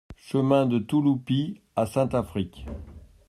Chemin de Touloupy à Saint-Affrique